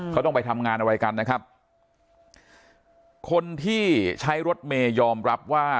เขาต้องไปทำงานอะไรกันนะครับคนที่ใช้รถเมย์ยอมรับว่า